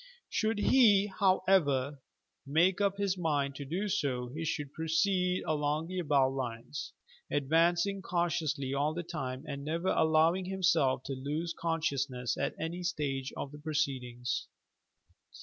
Should he, however, make up his mind to do so, he should proceed along the above lines, advancing cau tiously all the time and never allowing himself to lose consciousness at any stage of the proceedings.